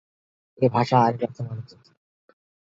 এ ভাষা আরেক অর্থ মানবজাতি।